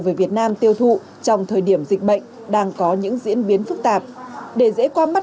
về việt nam tiêu thụ trong thời điểm dịch bệnh đang có những diễn biến phức tạp để dễ qua mắt